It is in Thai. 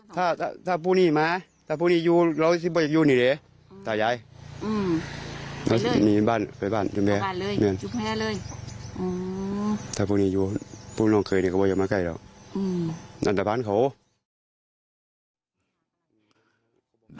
ถ้าพวกนี้อยู่พวกน้องเคยก็ว่าจะมาใกล้แล้วนั่นแต่บ้านเขา